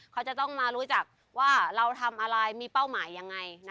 เขาจะต้องมารู้จักว่าเราทำอะไรมีเป้าหมายยังไง